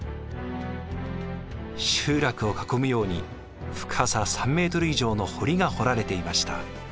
集落を囲むように深さ３ｍ以上の堀が掘られていました。